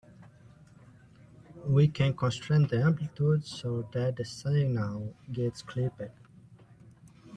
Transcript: We can constrain the amplitude so that the signal gets clipped.